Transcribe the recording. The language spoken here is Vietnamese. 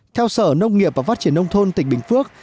theo sở nông nghiệp và phát triển nông thôn tỉnh bình phước